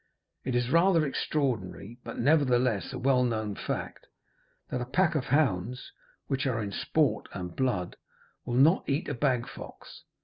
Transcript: It is rather extraordinary, but nevertheless a well known fact, that a pack of hounds, which are in sport and blood, will not eat a bag fox.